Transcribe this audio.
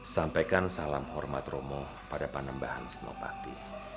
sampaikan salam hormat romo pada panembahan senopati